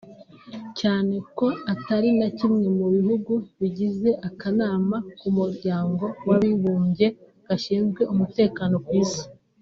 cyane ko atari na kimwe mu bihugu bigize akanama k’Umuryango w’Abibumbye gashinzwe umutekano ku isi